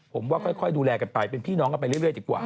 ผมว่าค่อยดูแลกันไปเป็นพี่น้องกันไปเรื่อยดีกว่า